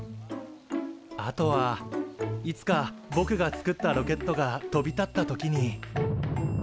あとはいつかぼくが作ったロケットが飛び立った時に。